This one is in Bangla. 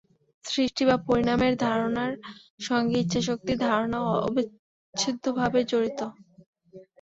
সৃষ্টি বা পরিণামের ধারণার সঙ্গে ইচ্ছাশক্তির ধারণা অচ্ছেদ্যভাবে জড়িত।